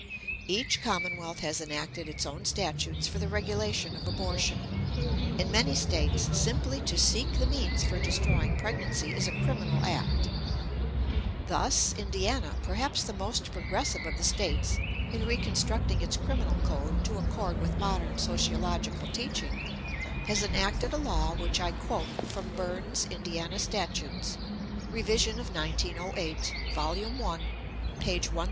_" Each commonwealth has enacted its own statutes for the regulation of abortion. In many states, simply to seek the means for destroying pregnancy is a criminal act. Thus, Indiana, perhaps the most progressive of the States in reconstructing its criminal code to accord with modern sociological teaching, has enacted a law which I quote from Burn's Indiana Statutes, Revision of 1908, Vol. I, page 1029.